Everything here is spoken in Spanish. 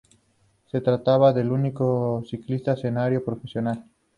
Se trataba del único ciclista canario profesional.